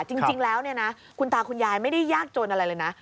จริงแล้วเนี่ยนะคุณตาคุณยายไม่ได้ยากจนอะไรเลยนะ